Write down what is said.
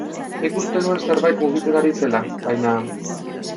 Nik uste nuen zerbait mugitzen ari zela, baina...